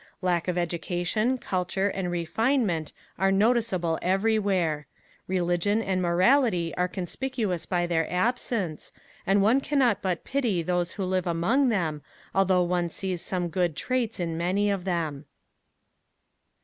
Lack of education, culture and refinement are noticeable everywhere. Religion and morality are conspicuous by their absence and one cannot but pity those who live among them although one sees some good traits in many of them.